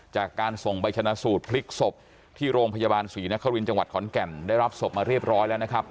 จากการส่งไปชนะสูตรพลิกศพที่โรงพยาบาลศรีนครินทร์จังหวัดขอนแก่นได้รับศพมาเรียบร้อยแล้วนะครับ